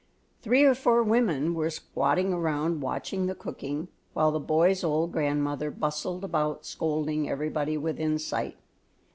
Three or four women were squatting around watching the cooking, while the boys' old grandmother bustled about scolding everybody within sight.